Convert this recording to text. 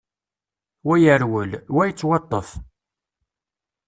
Wa yerwel, wa yettwaṭṭef.